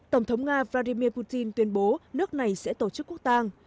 tổng thống nga vladimir putin tuyên bố nước này sẽ tổ chức quốc tàng